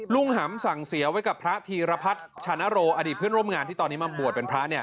หำสั่งเสียไว้กับพระธีรพัฒน์ชานโรอดีตเพื่อนร่วมงานที่ตอนนี้มาบวชเป็นพระเนี่ย